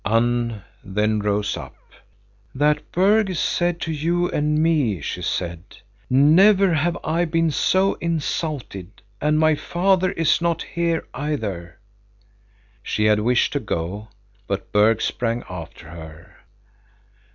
—Unn then rose up. "That, Berg, is said to you and me," she said. "Never have I been so insulted, and my father is not here either." She had wished to go, but Berg sprang after her.